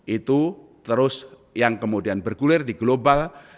itu terus yang kemudian bergulir di global